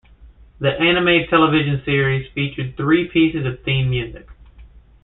The anime television series featured three pieces of theme music.